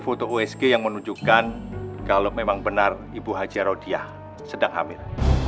foto usg yang menunjukkan kalau memang benar ibu haja raudiah sedang hamil